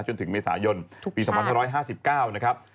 จนถึงเมษายนปี๒๕๕๙นะครับ